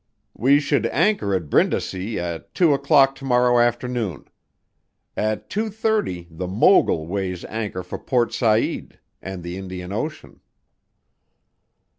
"We should anchor at Brindisi at two o'clock to morrow afternoon. At two thirty the Mogul weighs anchor for Port Said ... and the Indian Ocean."